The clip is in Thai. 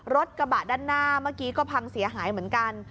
รถกระบะด้านหน้าเมื่อกี้ก็พังเสียหายเหมือนกัน